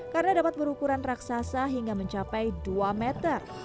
karena dapat berukuran raksasa hingga mencapai dua meter